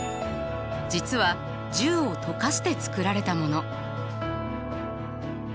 実は銃を溶かして作られたもの。